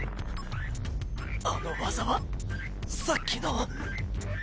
あの技はさっきの。